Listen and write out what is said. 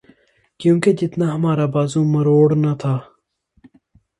کیونکہ جتنا ہمارا بازو مروڑنا تھا۔